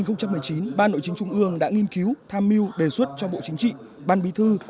năm hai nghìn một mươi chín ban nội chính trung ương đã nghiên cứu tham mưu đề xuất cho bộ chính trị ban bí thư